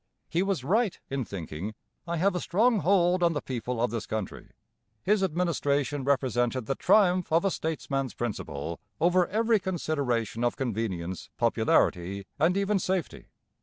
He was right in thinking 'I have a strong hold on the people of this country.' His administration represented the triumph of a statesman's principle over every consideration of convenience, popularity, and even safety.